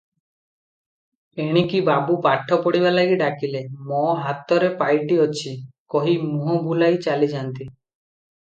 ଏଣିକି ବାବୁ ପାଠ ପଢ଼ିବାଲାଗି ଡାକିଲେ, "ମୋ ହାତରେ ପାଇଟି ଅଛି" କହି ମୁହଁ ବୁଲାଇ ଚାଲିଯାନ୍ତି ।